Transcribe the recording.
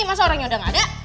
masa orangnya udah gak ada